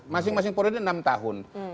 masing masing periode enam tahun